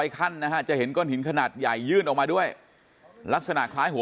ขั้นนะฮะจะเห็นก้อนหินขนาดใหญ่ยื่นออกมาด้วยลักษณะคล้ายหัว